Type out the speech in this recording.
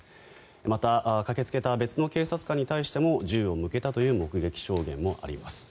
また、駆けつけた別の警察官に対しても銃を向けたという目撃証言もあります。